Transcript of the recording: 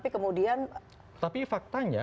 kemudian tapi faktanya